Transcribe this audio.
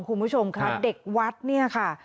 คุณผู้ชมค่ะเด็กวัดเนี่ยค่ะ